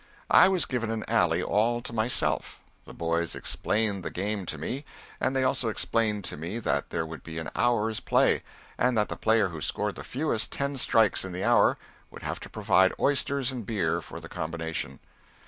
I was given an alley all to myself. The boys explained the game to me, and they also explained to me that there would be an hour's play, and that the player who scored the fewest ten strikes in the hour would have to provide oysters and beer for the combination.